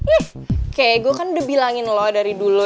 oke saya sudah bilangkan kepadamu dari dulu